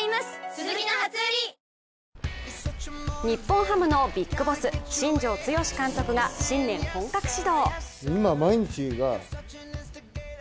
日本ハムのビッグボス新庄剛志監督が新年、本格始動。